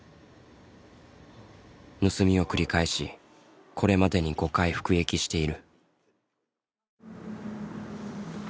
盗みを繰り返しこれまでに５回服役している。